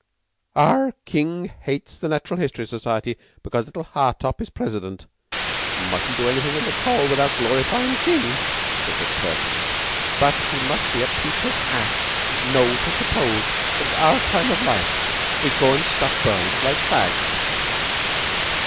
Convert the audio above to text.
"Ah, King hates the Natural History Society because little Hartopp is president. Mustn't do anything in the Coll. without glorifyin' King," said McTurk. "But he must be a putrid ass, know, to suppose at our time o' life we'd go and stuff birds like fags."